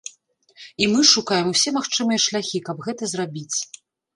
І мы шукаем усе магчымыя шляхі, каб гэта зрабіць.